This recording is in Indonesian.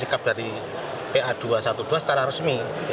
sikap dari pa dua ratus dua belas secara resmi